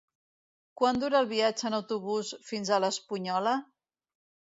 Quant dura el viatge en autobús fins a l'Espunyola?